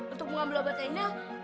untuk mengambil obat ini